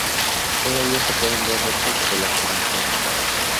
Todavía se pueden ver restos de las trincheras.